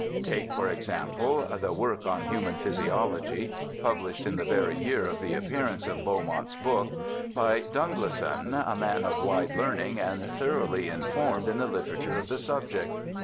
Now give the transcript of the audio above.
Take, for example, ' The Work on Human Physiology ' (published in the very year of the appearance of Beaumont's book), by Dunglison, a man of wide learning and thoroughly informed in the litera ture of the subject.